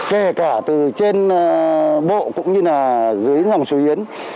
kể cả từ trên bộ cũng như dưới dòng sư yến